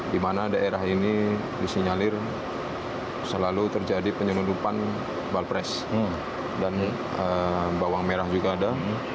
di mana daerah ini disinyalir selalu terjadi penyelundupan balpres dan bawang merah juga ada